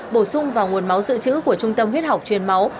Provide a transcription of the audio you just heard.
bổ sung vào nguồn máu dự trữ của trung tâm huyết học truyền máu